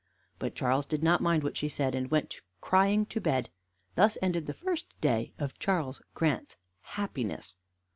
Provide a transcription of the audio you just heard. But Charles did not mind what she said, and went crying to bed. Thus ended the first day of Charles Grant's happiness.